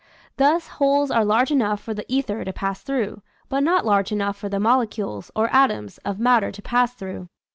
Those holes are large enough for the ether to pass through, but not large enough for the molecules, or atoms, of matter to pass through.